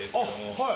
はい。